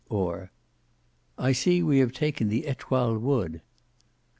Or: "I see we have taken the Etoile Wood."